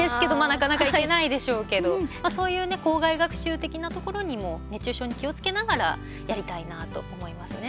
なかなか行けないでしょうけどそういう校外学習的なところにも熱中症に気をつけながらやりたいなと思いますね。